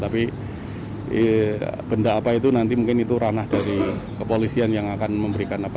tapi benda apa itu nanti mungkin itu ranah dari kepolisian yang akan memberikan apa